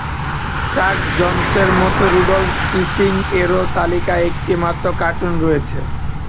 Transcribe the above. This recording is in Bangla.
চাক জোন্সের মতো রুডল্ফ ইসিং-এরও তালিকায় একটি মাত্র কার্টুন রয়েছে।